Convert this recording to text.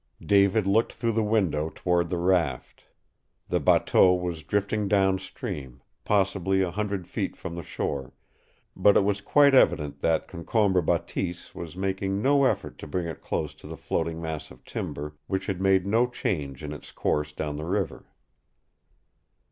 David looked through the window toward the raft. The bateau was drifting downstream, possibly a hundred feet from the shore, but it was quite evident that Concombre Bateese was making no effort to bring it close to the floating mass of timber, which had made no change in its course down the river.